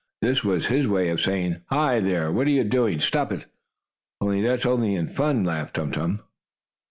This was his way of saying: "Hi, there! What are you doing? Stop it!" "Oh, that's only in fun!" laughed Tum Tum.